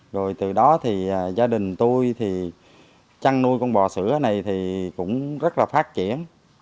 rồi từ đó thì gia đình tôi thì chăn nuôi con bò sữa này thì cũng rất là phát triển